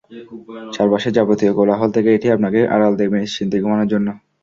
চারপাশের যাবতীয় কোলাহল থেকে এটি আপনাকে আড়াল দেবে নিশ্চিন্তে ঘুমানোর জন্য।